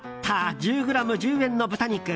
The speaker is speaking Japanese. １０ｇ１０円の豚肉。